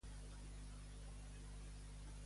Urtzi és utilitzat com a nom d'home?